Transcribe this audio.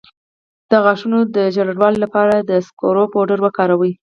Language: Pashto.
د غاښونو د ژیړوالي لپاره د سکرو پوډر وکاروئ